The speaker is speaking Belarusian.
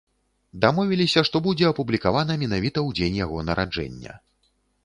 Дамовіліся, што будзе апублікавана менавіта ў дзень яго нараджэння.